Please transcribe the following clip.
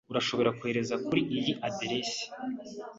Urashobora kohereza kuri iyi aderesi?